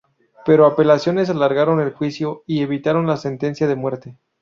Pero apelaciones alargaron el juicio y evitaron la sentencia de muerte.